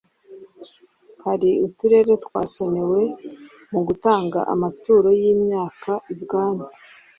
hari uturere twasonewe mu gutanga amaturo y imyaka ibwami